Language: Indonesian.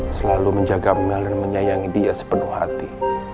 selalu menjaga mengenal dan menyayangi dia sepenuh hati